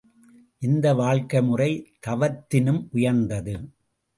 இந்த வாழ்க்கைமுறை தவத்தினும் உயர்ந்தது.